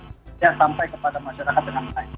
tidak sampai kepada masyarakat dengan baik